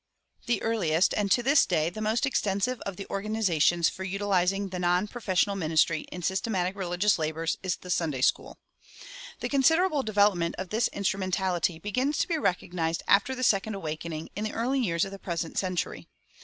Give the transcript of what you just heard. The earliest and to this day the most extensive of the organizations for utilizing the non professional ministry in systematic religious labors is the Sunday school. The considerable development of this instrumentality begins to be recognized after the Second Awakening in the early years of the present century.